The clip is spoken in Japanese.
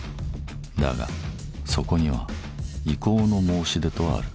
だがそこには「意向の申し出」とある。